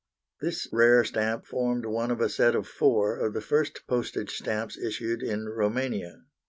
This rare stamp formed one of a set of four of the first postage stamps issued in Roumania.